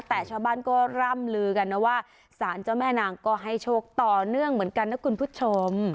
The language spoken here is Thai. แต่ชาวบ้านก็ร่ำลือกันนะว่าสารเจ้าแม่นางก็ให้โชคต่อเนื่องเหมือนกันนะคุณผู้ชม